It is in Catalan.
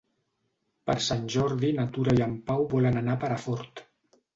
Per Sant Jordi na Tura i en Pau volen anar a Perafort.